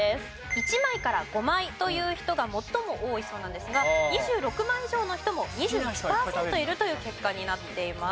１枚から５枚という人が最も多いそうなんですが２６枚以上の人も２１パーセントいるという結果になっています。